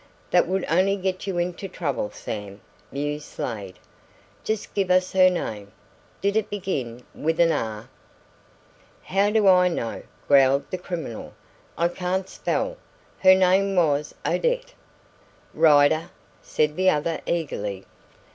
"That would only get you into trouble, Sam," mused Slade. "Just give us her name. Did it begin with an 'R'?" "How do I know?" growled the criminal. "I can't spell. Her name was Odette." "Rider?" said the other eagerly.